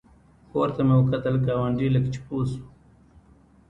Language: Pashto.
پورته مې وکتل، ګاونډي لکه چې پوه شو.